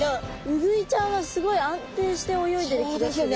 ウグイちゃんはすごい安定して泳いでる気がする。